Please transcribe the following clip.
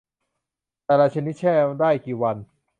แต่ละชนิดแช่ได้กี่วัน